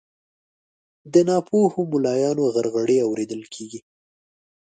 د ناپوهو ملایانو غرغړې اورېدل کیږي